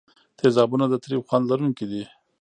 تیزابونه د تریو خوند لرونکي دي.